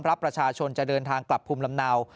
รับประชาชนจะเดินทางกลับภูมิลำเนา